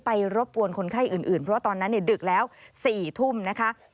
รบกวนคนไข้อื่นเพราะว่าตอนนั้นดึกแล้ว๔ทุ่มนะคะ